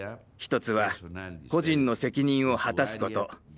１つは個人の責任を果たすこと。